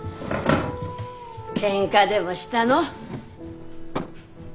けんかでもしたの？